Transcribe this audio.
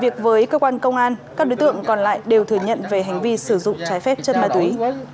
việc với cơ quan công an các đối tượng còn lại đều thừa nhận về hành vi sử dụng trái phép chất ma túy